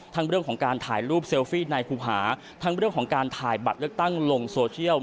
เรื่องของการถ่ายรูปเซลฟี่ในครูหาทั้งเรื่องของการถ่ายบัตรเลือกตั้งลงโซเชียล